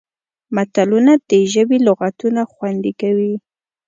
متلونه د ژبې لغتونه خوندي کوي